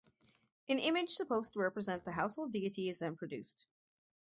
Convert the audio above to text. An image supposed to represent the household deity is then produced.